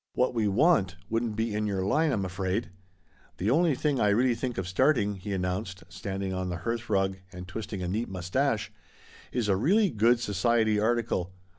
What we want wouldn't be in your line, I'm afraid. The only thing I really think of starting," he announced, standing on the hearthrug and twisting a neat moustache, "is a really good society article.